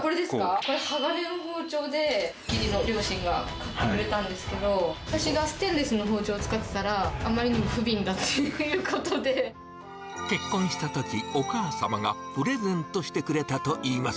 これ鋼の包丁で、義理の両親が買ってくれたんですけど、私がステンレスの包丁使ってたら、結婚したとき、お母様がプレゼントしてくれたといいます。